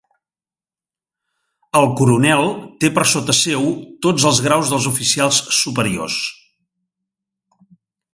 El coronel té per sota seu tots els graus dels oficials superiors.